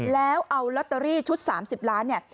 แล้วเอาลอตเตอรี่ชุด๓๐ล้านเนี่ย